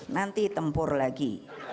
nanti tempur lagi